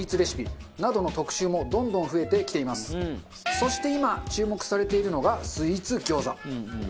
そして今注目されているのがスイーツ餃子。